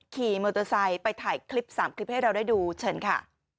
ขี่มอเตอร์ไซค์ไปถ่ายคลิป๓คลิปให้เราได้ดูเชิญค่ะ